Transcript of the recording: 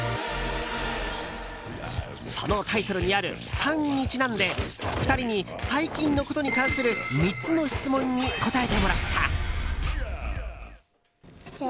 そのタイトルにある「３」にちなんで２人に最近のことに関する３つの質問に答えてもらった。